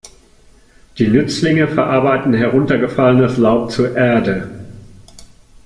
Die Nützlinge verarbeiten heruntergefallenes Laub zu Erde.